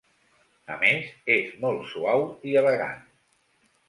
A més, és molt suau i elegant.